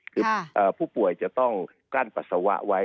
คือผู้ป่วยจะต้องกลั้นปัสสาวะไว้